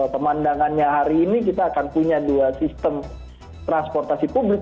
pemandangannya hari ini kita akan punya dua sistem transportasi publik